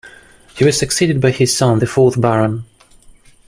He was succeeded by his son, the fourth Baron.